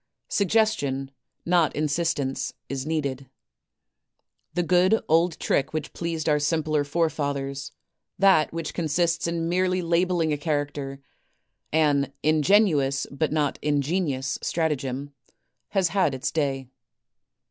Suggestion, not in sistence, is needed. The good old trick which pleased our simpler forefathers, that which consists in merely labelling a character, — an ingenuous, but not ingenious, stratagem, — has had its day.